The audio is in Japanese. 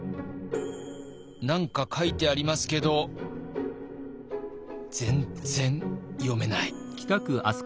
何か書いてありますけど全然読めない。